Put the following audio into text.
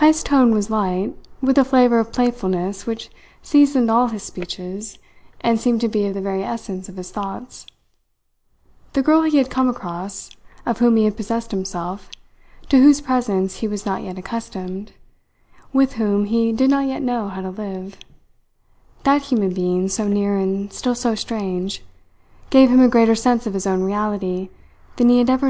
Heyst's tone was light, with the flavour of playfulness which seasoned all his speeches and seemed to be of the very essence of his thoughts. The girl he had come across, of whom he had possessed himself, to whose presence he was not yet accustomed, with whom he did not yet know how to live; that human being so near and still so strange, gave him a greater sense of his own reality than he had ever